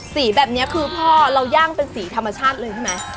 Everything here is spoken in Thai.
สีแบบนี้คือพ่อเราย่างเป็นสีธรรมชาติเลยใช่ไหม